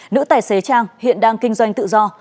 nữ tài xế trang hiện đang kinh doanh tự do